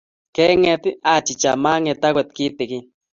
"kenget?"Achicha, mangeet agot kitingin